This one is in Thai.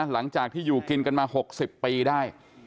หลังจากที่อยู่กินกันมา๖๐ปีได้